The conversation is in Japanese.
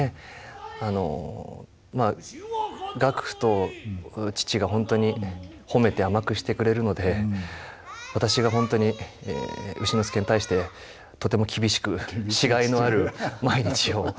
あのまあ岳父と父が本当に褒めて甘くしてくれるので私が本当に丑之助に対してとても厳しくしがいのある毎日を過ごせてます。